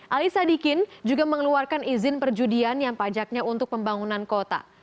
ali sadikin juga mengeluarkan izin perjudian yang pajaknya untuk pembangunan kota